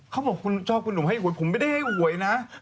เขาบอกว่าคุณชอบคุณหนูให้หวย